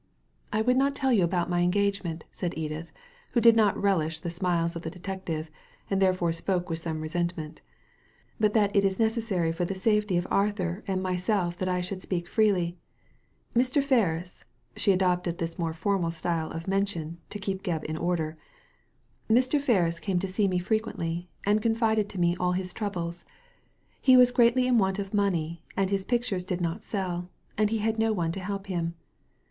"I would not tell you about my engagement, said Edith, who did not relish the smiles of the detective, and therefore spoke with some resentment, •but that it is necessary for the safety of Arthur and myself that I should speak freely. Mr. Ferris " —she adopted this more formal style of mention to keep Gebb in order —'* Mr. Ferris came to see me frequently, and confided to me all his troubles. He was greatly in want of money, as his pictures did not sell, and he had no one to help him.